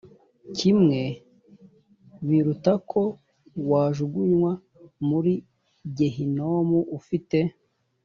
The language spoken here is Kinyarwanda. kimwe biruta ko wajugunywa muri gehinomu ufite